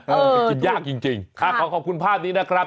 มันกินยากจริงขอขอบคุณภาพนี้นะครับ